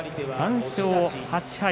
３勝８敗。